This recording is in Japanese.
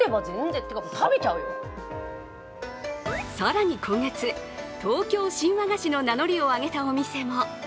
更に今月、東京新和菓子の名乗りを上げたお店も。